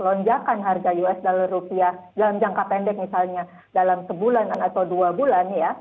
lonjakan harga us dollar rupiah dalam jangka pendek misalnya dalam sebulan atau dua bulan ya